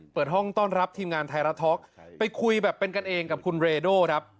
เปิดห้องต้อนรับทีมงานไทยรัฐท็อกไปคุยแบบเป็นกันเองกับคุณเรโดครับ